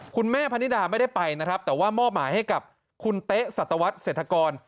คุณแม่ภัณฑิดาไม่ได้ไปนะครับแต่ว่ามอบหมายให้กับคุณเต๊สัตวัสดิ์เสร็จฐกร